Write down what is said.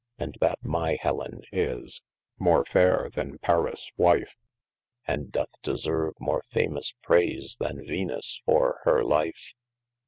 And that my Hellen is more fiaire then Paris wife, And doth deserve more famous praise, then Venus for hir life.